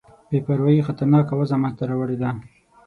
بې پروايي خطرناکه وضع منځته راوړې ده.